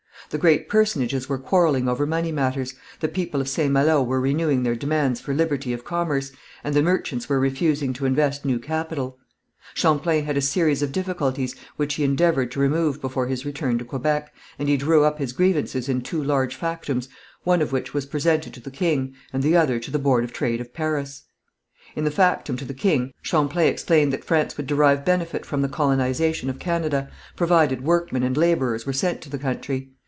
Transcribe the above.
The great personages were quarrelling over money matters; the people of St. Malo were renewing their demands for liberty of commerce, and the merchants were refusing to invest new capital. Champlain had a series of difficulties, which he endeavoured to remove before his return to Quebec, and he drew up his grievances in two large factums, one of which was presented to the king, and the other to the Board of Trade of Paris. In the factum to the king Champlain explained that France would derive benefit from the colonization of Canada, provided workmen and labourers were sent to the country.